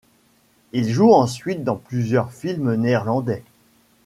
Il joue ensuite dans plusieurs films néerlandais.